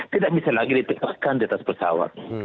tidak bisa lagi ditegaskan di atas pesawat